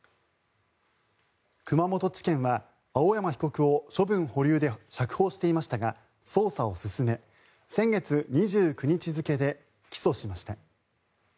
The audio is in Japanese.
熊本地検は青山被告を処分保留で釈放していましたが捜査を進め先月２９日付で起訴しました。